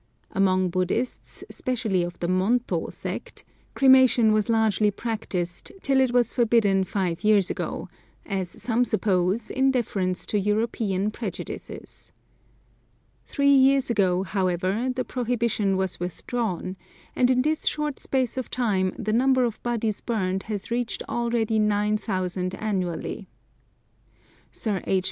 Among Buddhists, specially of the Monto sect, cremation was largely practised till it was forbidden five years ago, as some suppose in deference to European prejudices. Three years ago, however, the prohibition was withdrawn, and in this short space of time the number of bodies burned has reached nearly nine thousand annually. Sir H.